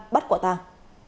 bắt quả tang